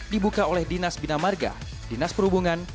dibuka oleh dinas bina marga dinas perhubungan